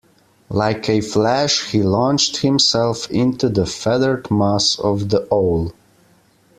Like a flash he launched himself into the feathered mass of the owl.